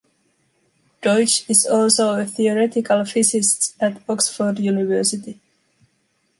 Deutsch is also a theoretical physicist at Oxford University.